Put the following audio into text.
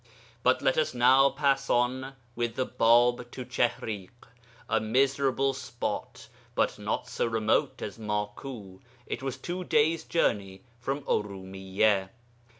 But let us now pass on with the Bāb to Chihriḳ a miserable spot, but not so remote as Maku (it was two days' journey from Urumiyya).